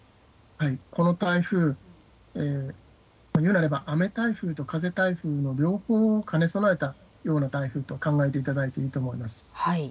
この台風、言うなれば、雨台風と風台風の両方を兼ね備えたような台風と考えていただいていいと思います。